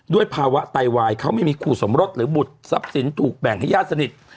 ภาวะไตวายเขาไม่มีคู่สมรสหรือบุตรทรัพย์สินถูกแบ่งให้ญาติสนิท